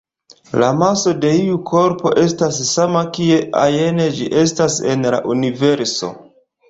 La maso de iu korpo estas sama kie ajn ĝi estas en la universo.